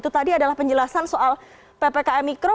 tadi adalah penjelasan soal ppkm mikro